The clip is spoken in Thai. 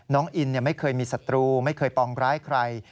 น้องอินไม่เคยมีศัตรูไม่เคยปองร้ายใคร